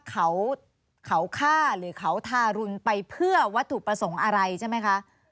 เขาฆ่าหรือเขาทารุณไปเพื่อวัตถุประสงค์อะไรใช่ไหมคะ